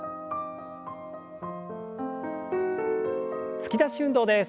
突き出し運動です。